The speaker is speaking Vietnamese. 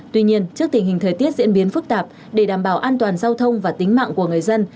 tuy nhiên trước tình hình thời tiết diễn biến phức tạp để đảm bảo an toàn giao thông và tính mạng của người dân